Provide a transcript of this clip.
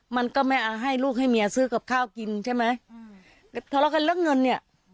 มันก็ไม่อ่าให้ลูกให้เมียซื้อกับข้าวกินใช่ไหมทะเลาะกันแล้วเงินเนี้ย